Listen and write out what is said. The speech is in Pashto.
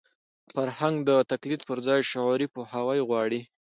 فرهنګ د تقلید پر ځای شعوري پوهاوی غواړي.